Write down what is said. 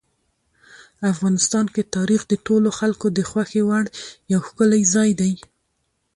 افغانستان کې تاریخ د ټولو خلکو د خوښې وړ یو ښکلی ځای دی.